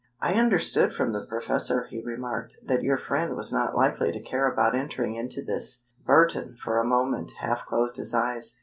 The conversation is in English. "I understood from the professor," he remarked, "that your friend was not likely to care about entering into this?" Burton, for a moment, half closed his eyes.